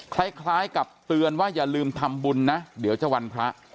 คล้ายกับเตือนว่าอย่าลืมทำบุญนะเดี๋ยวจะวันพระ